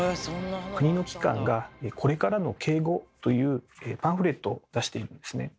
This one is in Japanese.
国の機関が「これからの敬語」というパンフレットを出しているんですね。